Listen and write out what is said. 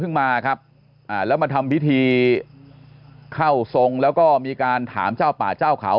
มาครับอ่าแล้วมาทำพิธีเข้าทรงแล้วก็มีการถามเจ้าป่าเจ้าเขา